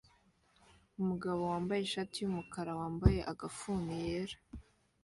Umugabo wambaye ishati yumukara yambaye agafuni yera